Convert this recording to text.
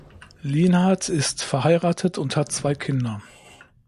Lienhard ist verheiratet und hat zwei Kinder.